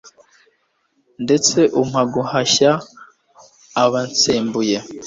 ndetse umpa guhashya abansembuye